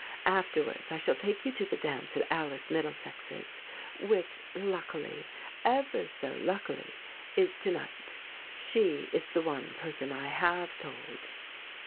Afterwards I shall take you to the dance at Alice Middlesex's, which, luckily, ever so luckily, is to night. She is the one person I have told."